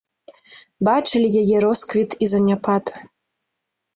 Бачылі яе росквіт і заняпад.